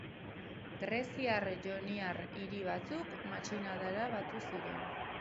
Greziar joniar hiri batzuk matxinadara batu ziren.